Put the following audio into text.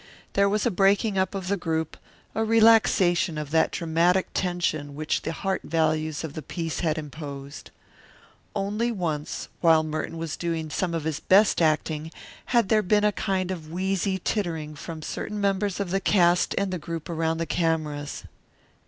There was a breaking up of the group, a relaxation of that dramatic tension which the heart values of the piece had imposed. Only once, while Merton was doing some of his best acting, had there been a kind of wheezy tittering from certain members of the cast and the group about the cameras.